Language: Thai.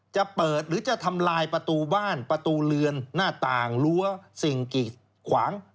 จะเปิดหรือจะทำลายประตูบ้านประตูเรือนหน้าต่างรั้วสิ่งกีดขวาง